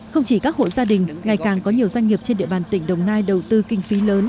không chỉ các hộ gia đình ngày càng có nhiều doanh nghiệp trên địa bàn tỉnh đồng nai đầu tư kinh phí lớn